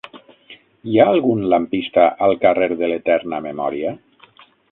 Hi ha algun lampista al carrer de l'Eterna Memòria?